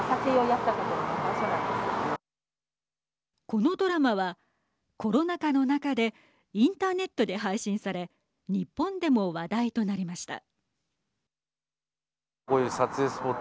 このドラマはコロナ禍の中でインターネットで配信され日本でも話題となりました。